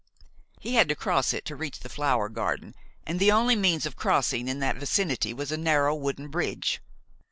He had to cross it to reach the flower garden, and the only means of crossing in that vicinity was a narrow wooden bridge.